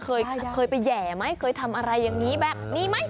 เคยไปแห่ไหมเคยทำอะไรอย่างนี้แบบนี้ไหม